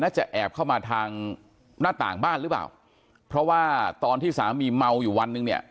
จะแอบเข้ามาทางหน้าต่างบ้านหรือเปล่าเพราะว่าตอนที่สามีเมาอยู่วันหนึ่งเนี่ย